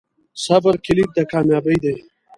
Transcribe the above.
صبر کلید د کامیابۍ دی.